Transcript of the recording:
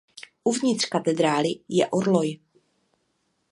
Uvnitř katedrály je orloj.